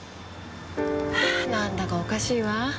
はぁ何だかおかしいわ。